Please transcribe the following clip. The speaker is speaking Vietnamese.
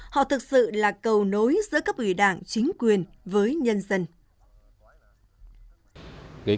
họ thực sự là cầu nối giữa các ủy đảng chính quyền với nhân dân